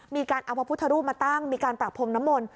มีการเอาพระพุทธรูปมาตั้งมีการปราบพรมน้ำมนต์